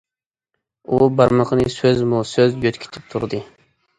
ئۇ بارمىقىنى سۆزمۇ سۆز يۆتكىتىپ تۇردى.